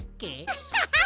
ウハハハ！